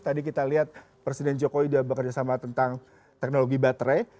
tadi kita lihat presiden jokowi sudah bekerjasama tentang teknologi baterai